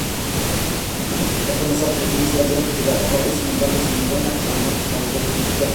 Pertenecía a la antigua provincia del Ribatejo, hoy sin embargo sin ninguna validez política-administrativa.